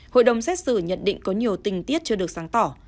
hội đồng xét xử nhận định có nhiều tình tiết chưa được sáng tỏ